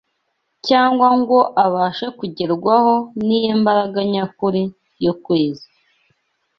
cyangwa ngo abashe kugerwaho n’imbaraga nyakuri yo kwezwa.